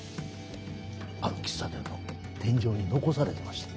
ある喫茶店の天井に残されてました。